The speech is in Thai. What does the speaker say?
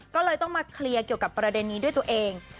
ก็เลยต้องมาเคลียร์เกี่ยวกับประเด็นนี้ด้วยตัวเอง